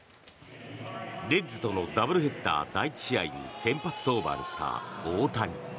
レッズとのダブルヘッダー第１試合に先発登板した大谷。